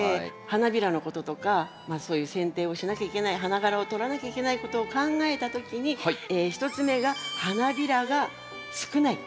花びらのこととかそういうせん定をしなきゃいけない花がらを取らなきゃいけないことを考えた時に１つ目が花びらが少ない。